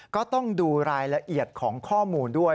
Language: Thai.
ก็ต้องดูรายละเอียดของข้อมูลด้วย